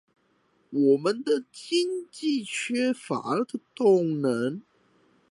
我們的經濟缺乏動能